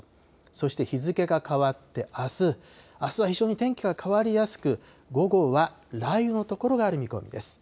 そして日付が変わってあす、あすは非常に天気が変わりやすく、午後は雷雨の所がある見込みです。